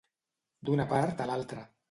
D'una part a l'altra.